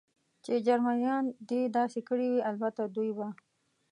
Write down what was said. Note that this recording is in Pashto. چې جرمنیانو دې داسې کړي وي، البته دوی به.